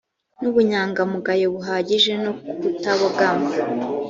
n ubunyangamugayo buhagije no kutabogama